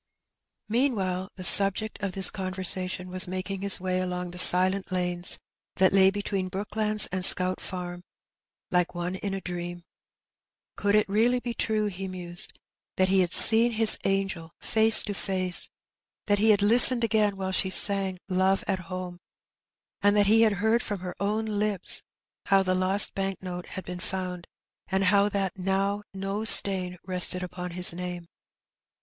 '* Meanwhile the subject of this conversation was making his way along the silent lanes that lay between Brooklands and Scout Farm like one in a dream. Could it be really true, he mused^ that he had seen his angel face to face^ that he had listened again while she sang "Love at Home/' and that he heard from her own lips how the lost bank note had been found, and how that now no stain rested upon his name